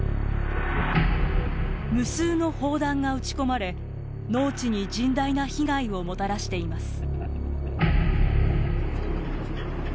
無数の砲弾が撃ち込まれ農地に甚大な被害をもたらしています。